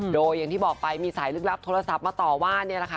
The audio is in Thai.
โดยอย่างที่บอกไปมีสายลึกลับโทรศัพท์มาต่อว่านี่แหละค่ะ